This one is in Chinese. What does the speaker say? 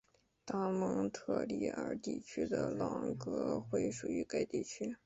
大蒙特利尔地区的朗格惠属于该地区。